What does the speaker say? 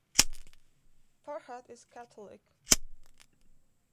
Farhat is Catholic.